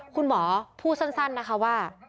คุณหมอพูดสั้นนะคะว่า